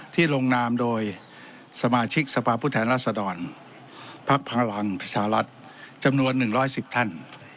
ที่ลงนามโดยสมาชิกสภาพูดแทนราชดรพักพลังประชาลัทธ์จำนวน๑๑๐ท่าน